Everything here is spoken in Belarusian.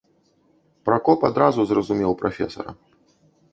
Пракоп адразу зразумеў прафесара.